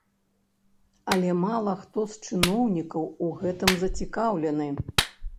Але мала хто з чыноўнікаў у гэтым зацікаўлены.